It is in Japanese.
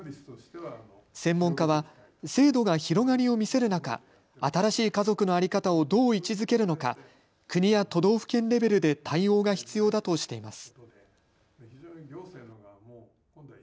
専門家は制度が広がりを見せる中、新しい家族の在り方をどう位置づけるのか国や都道府県レベルで対応が必要だとしています。